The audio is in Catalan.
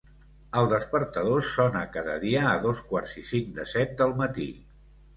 El despertador sona cada dia a dos quarts i cinc de set del matí.